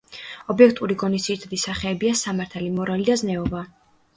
ობიექტური გონის ძირითადი სახეებია სამართალი, მორალი და ზნეობა.